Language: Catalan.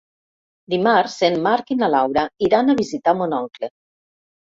Dimarts en Marc i na Laura iran a visitar mon oncle.